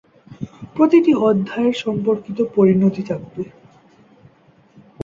প্রতিটি অধ্যায়ের সম্পর্কিত পরিণতি থাকবে।